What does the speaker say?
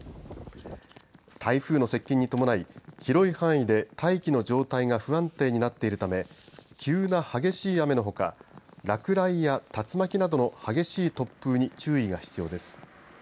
台風の接近に伴い広い範囲で大気の状態が不安定になっているため急な激しい雨のほか落雷や竜巻などの激しい突風に注意が必要です。